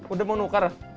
udah mau nuker